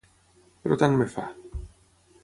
Però tant me fa.